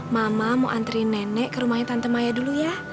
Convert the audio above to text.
mama mau antri nenek ke rumahnya tante maya dulu ya